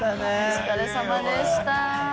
お疲れさまでした。